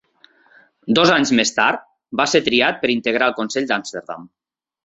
Dos anys més tard, va ser triat per integrar el consell d'Amsterdam.